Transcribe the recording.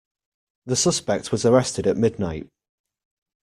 The suspect was arrested at midnight